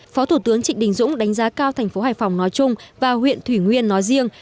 phó thủ tướng trịnh đình dũng đánh giá cao thành phố hải phòng nói chung và huyện thủy nguyên nói riêng